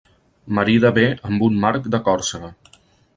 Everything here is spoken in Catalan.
Marida bé amb un marc de Còrsega.